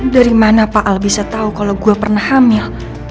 dari mana pak al bisa tahu kalau gue pernah hamil